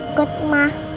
nggak ikut ma